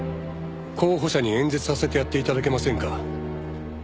候補者に演説させてやって頂けませんか？